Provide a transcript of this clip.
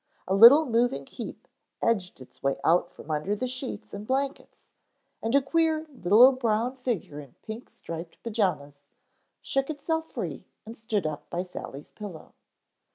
A little moving heap edged its way out from under the sheets and blankets, and a queer little brown figure in pink striped pajamas shook itself free and stood up by Sally's pillow.